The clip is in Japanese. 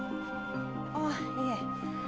ああいえ。